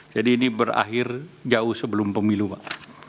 jadi ini berakhir jauh sebelum pemilu pak